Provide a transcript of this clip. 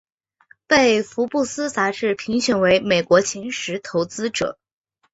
被福布斯杂志评选为美国前十投资者。